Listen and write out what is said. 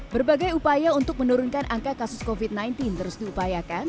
berbagai upaya untuk menurunkan angka kasus covid sembilan belas terus diupayakan